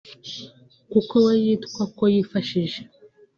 kuko we yitwa ko yifashije